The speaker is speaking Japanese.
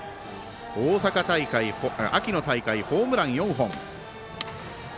大阪、秋の大会ホームラン４本。